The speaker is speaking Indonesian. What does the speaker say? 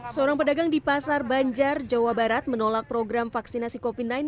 seorang pedagang di pasar banjar jawa barat menolak program vaksinasi covid sembilan belas